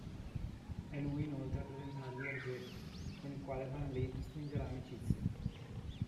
È lui inoltre a presentargli Hergé, con il quale Van Lint stringerà amicizia.